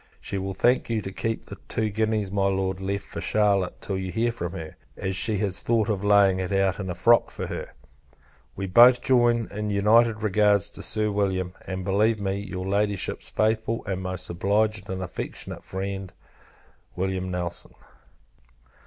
She will thank you to keep the two guineas my Lord left for Charlotte, till you hear from her; as she has thought of laying it out in a frock for her. We both join in united regards to Sir William; and believe me, your Ladyship's faithful and most obliged and affectionate friend, Wm. NELSON.